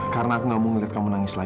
kenapa belum cadat lua